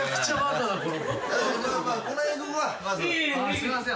すいません。